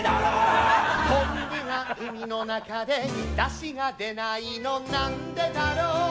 「昆布が海の中でだしが出ないのなんでだろう」